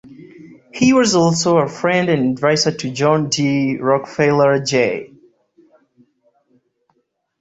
He was also a friend and adviser to John D. Rockefeller J.